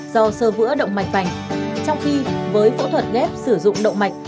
do sơ vữa động mạch vành trong khi với phẫu thuật ghép sử dụng động mạch